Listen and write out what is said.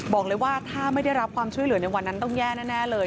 บอกเลยว่าถ้าไม่ได้รับความช่วยเหลือในวันนั้นต้องแย่แน่เลย